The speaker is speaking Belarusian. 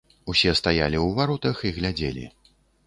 Усе стаялі ў варотах і глядзелі.